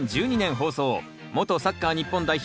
元サッカー日本代表